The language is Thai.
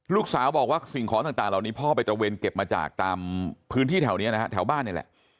ลูกสาวบอกว่าสิ่งของต่างเหล่านี้พ่อไปตระเวนเก็บมาจากตามพื้นที่แถวนี้นะฮะแถวบ้านนี่แหละ